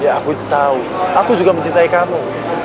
ya aku tahu aku juga mencintai kamu